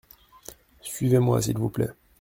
Suivez-moi s’il vous plait.